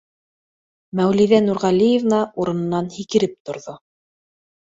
— Мәүлиҙә Нурғәлиевна урынынан һикереп торҙо.